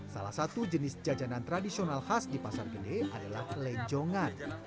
salah satu jenis jajanan tradisional khas di pasar gede adalah lenjongan